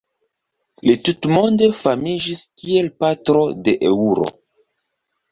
Li tutmonde famiĝis kiel patro de eŭro.